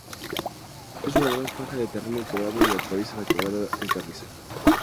Es una gran faja de terreno quebrado y atraviesa la Quebrada El Carrizal.